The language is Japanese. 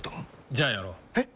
じゃあやろう。え？